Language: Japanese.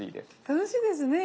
楽しいですね。